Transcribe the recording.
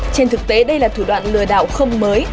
trên thực tế đây là thủ đoạn lừa đảo không mới